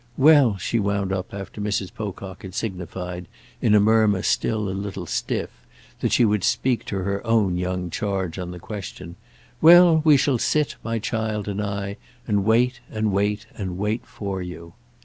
Well," she wound up after Mrs. Pocock had signified, in a murmur still a little stiff, that she would speak to her own young charge on the question—"well, we shall sit, my child and I, and wait and wait and wait for you."